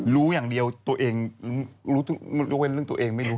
รู้อย่างเดียวตัวเองรู้ยกเว้นเรื่องตัวเองไม่รู้